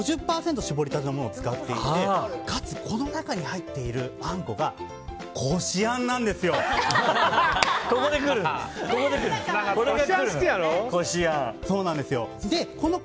搾りたてのものを使っていて、かつこの中に入っているあんこがここで来るの。